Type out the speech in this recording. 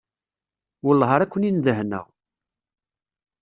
Welleh ara ken-in-dehneɣ.